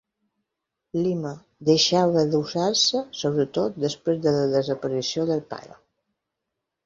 Lima” deixava d'usar-se, sobretot després de la desaparició del pare.